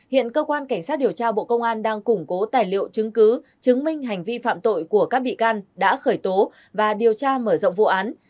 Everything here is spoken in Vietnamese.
hiện cơ quan cảnh sát điều tra bộ công an đang củng cố tài liệu chứng cứ chứng minh hành vi phạm tội của các bị can đã khởi tố và điều tra mở rộng vụ án